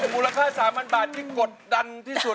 มูลค่า๓๐๐บาทที่กดดันที่สุด